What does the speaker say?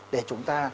để chúng ta